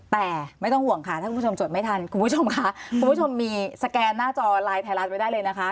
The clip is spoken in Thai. แต่ถ้าคุณผู้ชมจนไม่ทันคุณผู้ชมมีสแกนหน้าจอไลน์ไทยรัฐไม่ได้เลยนะคะ